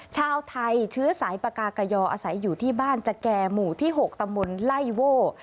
ชาวไทยเชื้อสายปากากยออาศัยอยู่ที่บ้านจะแก่หมู่ที่๖ตำบลไล่โว่